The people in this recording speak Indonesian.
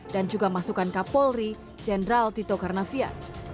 dan juga masukan kapolri jenderal tito karnavia